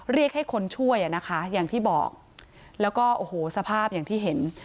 เรียกให้คนช่วยอ่ะนะคะอย่างที่บอกแล้วก็โอ้โหสภาพอย่างที่เห็น